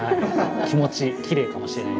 気持ちきれいかもしれない。